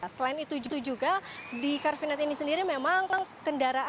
selain itu juga di car free night ini sendiri memang kan kendaraan